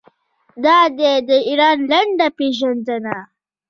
دا دی د ایران لنډه پیژندنه.